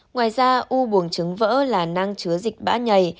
ngoài ra u buồng trứng vỡ là nang chứa dịch bã nhầy